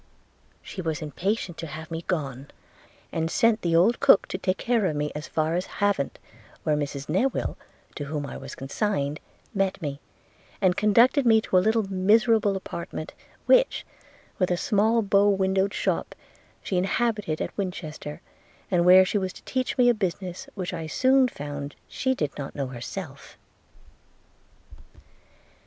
She was impatient to have me gone; and sent the old cook, to take care of me, as far as Havant, where Mrs Newill, to whom I was consigned, met me, and conducted me to a little miserable apartment, which, with a small bow windowed shop, she inhabited at Winchester, and where she was to teach me a business which I soon found she did not know herself.